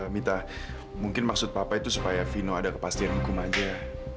mita mungkin maksud papa itu supaya vino ada kepastian hukum aja ya